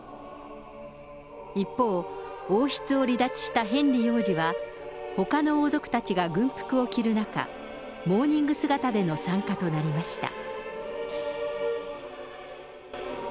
一方、王室を離脱したヘンリー王子は、ほかの王族たちが軍服を着る中、モーニング姿での参加となりました。